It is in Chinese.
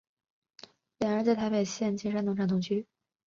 两人在台北县的金山农场同居。